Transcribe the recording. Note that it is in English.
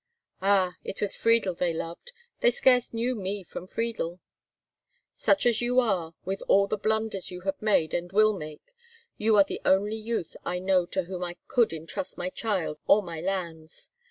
"Ah! it was Friedel they loved. They scarce knew me from Friedel." "Such as you are, with all the blunders you have made and will make, you are the only youth I know to whom I could intrust my child or my lands.